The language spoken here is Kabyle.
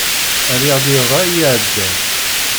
Rriɣ-d iḍ-a iɛeddan.